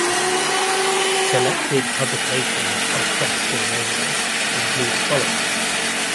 Selected publications of Gaston Raynaud include the following.